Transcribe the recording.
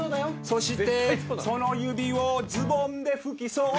「そしてその指をズボンで拭きそう」